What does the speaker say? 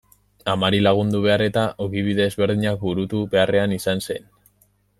Amari lagundu behar eta, ogibide ezberdinak burutu beharrean izan ziren.